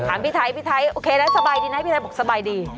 พี่ไทยพี่ไทยโอเคแล้วสบายดีนะพี่ไทยบอกสบายดี